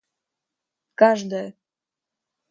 каждая